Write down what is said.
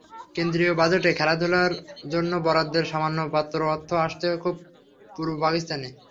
কেন্দ্রীয় বাজেটে খেলাধুলার জন্য বরাদ্দের সামান্য মাত্র অর্থ আসত পূর্ব পাকিস্তানে।